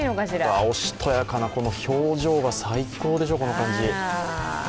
おしとやかなこの表情が最高でしょう、この感じ。